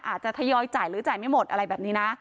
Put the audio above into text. อาจจะทยอยจ่ายหรือจ่ายไม่หมดอะไรแบบนี้นะ